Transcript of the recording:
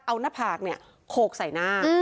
เอานะผากเนี่ยโขกใส่หน้า